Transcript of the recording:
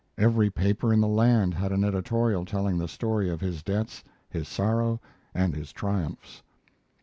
Every paper in the land had an editorial telling the story of his debts, his sorrow, and his triumphs.